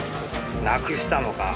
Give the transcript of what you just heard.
なくしたのか。